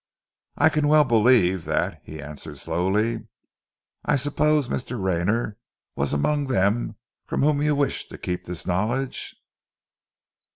"I can well believe, that," he answered slowly. "I suppose Mr. Rayner was among them from whom you wished to keep this knowledge?"